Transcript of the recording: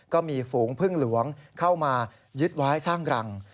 ก็มีฝูงพึ่งหลวงเข้ามายึดไว้สร้างรัง